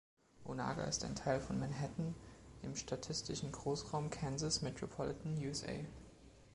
Onaga ist ein Teil von Manhattan im statistischen Großraum Kansas Metropolitan, USA.